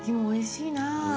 おいしい。